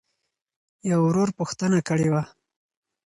يــوه ورورپوښـتـنــه کــړېــوه.؟